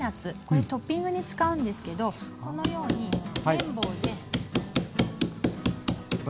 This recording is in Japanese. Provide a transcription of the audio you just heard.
これトッピングに使うんですけどこのように麺棒で。